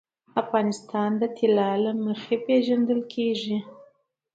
افغانستان د طلا له مخې پېژندل کېږي.